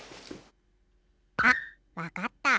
あっわかった。